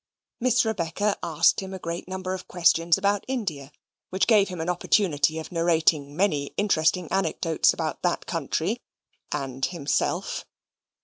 Miss Rebecca asked him a great number of questions about India, which gave him an opportunity of narrating many interesting anecdotes about that country and himself.